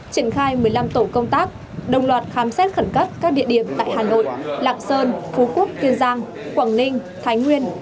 triển khai một mươi năm tổ công tác đồng loạt khám xét khẩn cấp các địa điểm tại hà nội lạng sơn phú quốc kiên giang quảng ninh thái nguyên